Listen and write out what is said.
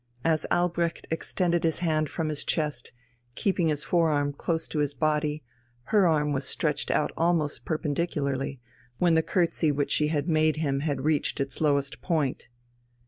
As Albrecht extended his hand from his chest, keeping his forearm close to his body, her arm was stretched out almost perpendicularly, when the curtsey which she made him had reached its lowest point.